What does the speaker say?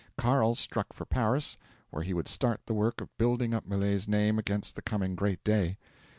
Carl struck for Paris, where he would start the work of building up Millet's name against the coming great day.